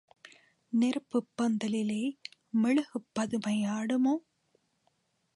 நெருப்புப் பந்திலிலே மெழுகுப் பதுமை ஆடுமோ?